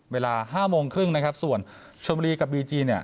เวลาห้าโมงครึ่งนะครับส่วนชมบุรีกับบีจีเนี่ย